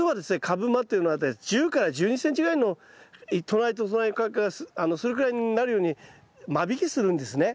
株間っていうのは１０１２ｃｍぐらいの隣と隣の間隔がそれぐらいになるように間引きするんですね。